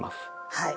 はい。